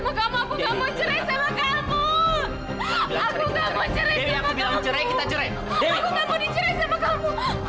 aku gak mau dicerai sama kamu